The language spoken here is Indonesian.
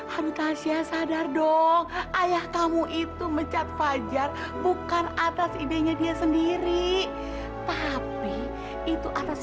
hankasia sadar dong ayah kamu itu mecat fajar bukan atas idenya dia sendiri tapi itu atas